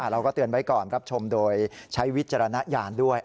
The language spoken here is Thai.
เราก็เตือนไว้ก่อนรับชมโดยใช้วิจารณญาณด้วย